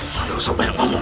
malah usah banyak ngomong